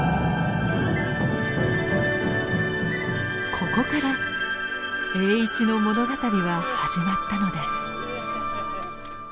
ここから栄一の物語は始まったのです。